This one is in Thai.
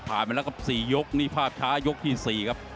ผ่านไปแล้วก็๔ยกนี่ภาพช้ายกที่๔ครับ